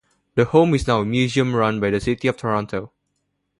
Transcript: The home is now a museum run by the City of Toronto.